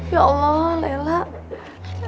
ya allah lela